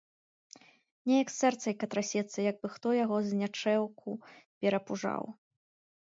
Неяк сэрцайка трасецца, як бы хто яго знячэўку перапужаў.